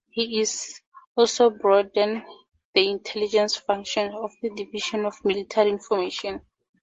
He also broadened the intelligence functions of the Division of Military Information.